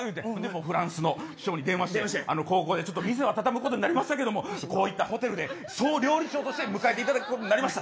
フランスの師匠に電話して店はたたむことになりましたけどホテルで総料理長として迎えていただくことになりました